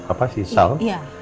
apa sih sal